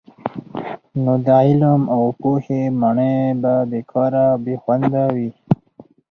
نو د علم او پوهي ماڼۍ به بې کاره او بې خونده وي.